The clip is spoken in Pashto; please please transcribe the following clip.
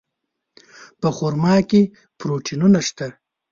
په خرما کې پروټینونه شته.